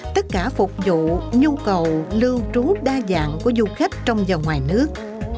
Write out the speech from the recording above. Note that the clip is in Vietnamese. tất cả phục vụ nhu cầu lưu trú đa dạng của du khách trong và ngoài nước